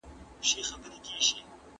فردي احساس قوي وي.